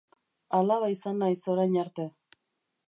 Alaba izan naiz orain arte.